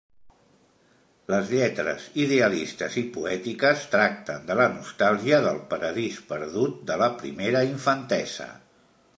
Les lletres, idealistes i poètiques, tracten de la nostàlgia del paradís perdut de la primera infantesa.